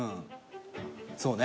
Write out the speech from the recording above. そうね。